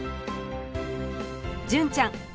純ちゃん